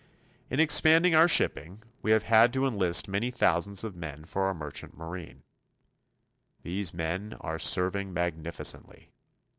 In expanding our shipping, we have had to enlist many thousands of men for our Merchant Marine. These men are serving magnificently.